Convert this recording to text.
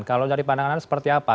kalau dari pandangan seperti apa